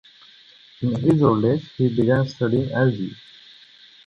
In his old age he began studying algae.